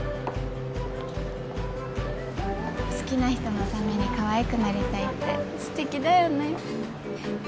好きな人のためにかわいくなりたいって素敵だよね。